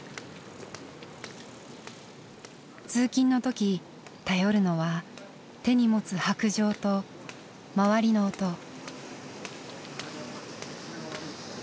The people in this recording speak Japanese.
通勤の時頼るのは手に持つ白杖と周りの音。